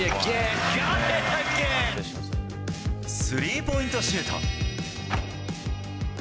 スリーポイントシュート。